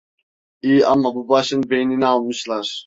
İyi ama bu başın beynini almışlar!